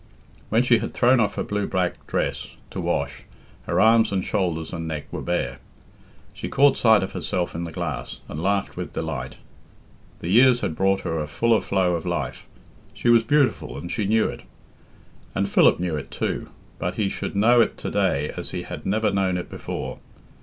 When she had thrown off her blue black dress to wash her arms and shoulders and neck were bare. She caught sight of herself in the glass, and laughed with delight. The years had brought her a fuller flow of life. She was beautiful, and she knew it. And Philip knew it too, but he should know it to day as he had never known it before.